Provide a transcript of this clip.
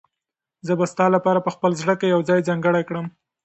زه به ستا لپاره په خپل زړه کې یو ځای ځانګړی کړم.